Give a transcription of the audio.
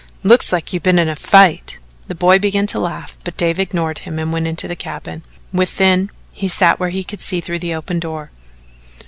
"Looks like you been in a fight." The boy began to laugh, but Dave ignored him and went on into the cabin. Within, he sat where he could see through the open door.